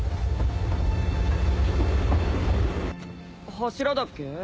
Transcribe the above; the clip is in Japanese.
柱だっけ？